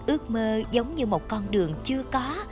ước mơ giống như một con đường chưa có